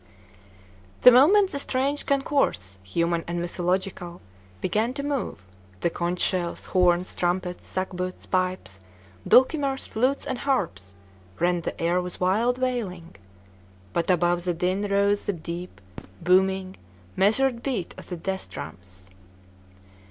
The moment the strange concourse, human and mythological, began to move, the conch shells, horns, trumpets, sackbuts, pipes, dulcimers, flutes, and harps rent the air with wild wailing; but above the din rose the deep, booming, measured beat of the death drums.